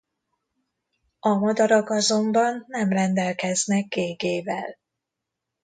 A madarak azonban nem rendelkeznek gégével.